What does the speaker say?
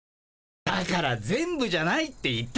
だから「全部じゃない」って言っただろ。